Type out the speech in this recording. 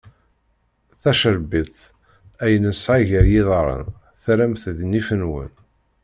Tacerbiṭ ay nesɛa gar yiḍarren, terram-t d nnif-nwen.